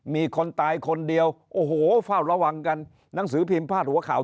มีคนตายคนเดียวโอ้โหเฝ้าระวังกันหนังสือพิมพ์พาดหัวข่าว